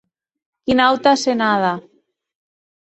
Quina auta asenada!